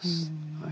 はい。